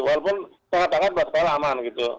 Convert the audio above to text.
walaupun tangan tangan berat kepala aman gitu